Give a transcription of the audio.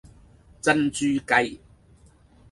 珍珠雞